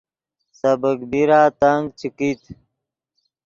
سبیک بیرا تنگ چے کیت